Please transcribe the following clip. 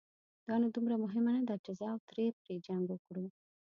دا نو دومره مهمه نه ده، چې زه او ترې پرې جنګ وکړو.